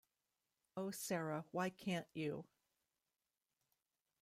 O Sarah, why can't you?